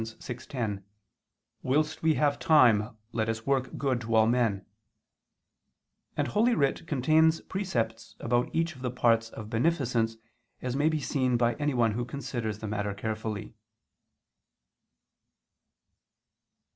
6:10): "Whilst we have time, let us work good to all men" and Holy Writ contains precepts about each of the parts of beneficence, as may be seen by anyone who considers the matter carefully.